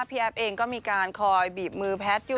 แอฟเองก็มีการคอยบีบมือแพทย์อยู่